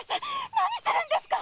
何するんですか！